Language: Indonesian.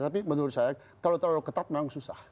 tapi menurut saya kalau terlalu ketat memang susah